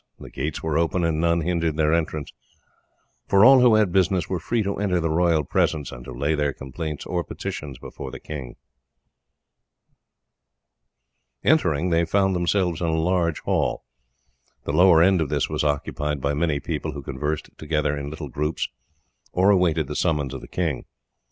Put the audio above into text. The gates were open, and none hindered their entrance, for all who had business were free to enter the royal presence and to lay their complaints or petitions before the king. Entering they found themselves in a large hall. The lower end of this was occupied by many people, who conversed together in little groups or awaited the summons of the king.